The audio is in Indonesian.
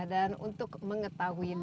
dan untuk mengetahui lebih